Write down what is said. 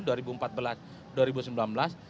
kemudian ada faktor megawatt inch